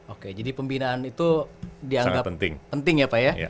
oke jadi pembinaan itu dianggap penting ya pak ya